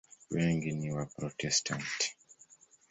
Wengi ni Waprotestanti.